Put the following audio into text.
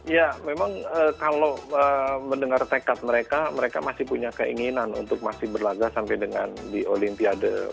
ya memang kalau mendengar tekad mereka mereka masih punya keinginan untuk masih berlaga sampai dengan di olimpiade